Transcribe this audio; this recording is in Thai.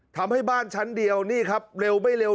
ทำให้บ้านชั้นเดียวนี่ครับเร็วไม่เร็ว